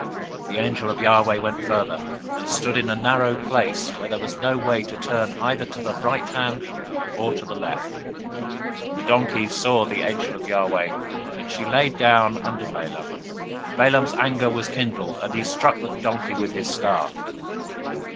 022:026 The angel of Yahweh went further, and stood in a narrow place, where was no way to turn either to the right hand or to the left. 022:027 The donkey saw the angel of Yahweh, and she lay down under Balaam: and Balaam's anger was kindled, and he struck the donkey with his staff.